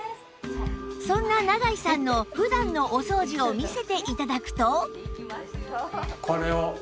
そんな永井さんの普段のお掃除を見せて頂くと